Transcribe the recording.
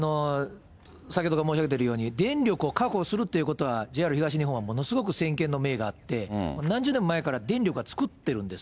先ほどから申し上げているように、電力を確保するということは、ＪＲ東日本はものすごく先見の明があって、何十年も前から電力は作ってるんです。